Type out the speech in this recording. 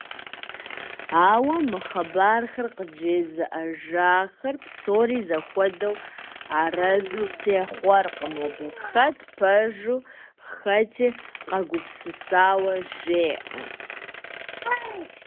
Ауэ мы хъыбархэр къыджезыӏэжахэр псори зэхуэдэу арэзы техъуэркъым абы, хэт пэжу, хэти къагупсысауэ жеӏэ.